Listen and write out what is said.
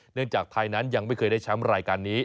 จากไทยนั้นยังไม่เคยได้แชมป์รายการนี้